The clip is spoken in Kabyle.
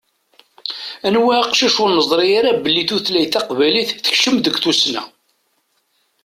Anwa aqcic ur nezṛi ara belli tutlayt taqbaylit tekcem deg tussna.